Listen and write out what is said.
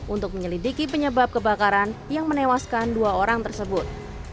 untuk menyelidiki penyebab kebakaran yang menewaskan dua orang tersebut